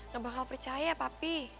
gak bakal percaya papi